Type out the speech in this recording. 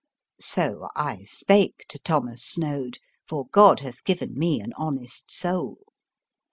So I spake to Thomas Snoad, for God hath given me a honest soul.